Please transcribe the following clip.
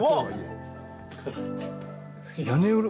屋根裏。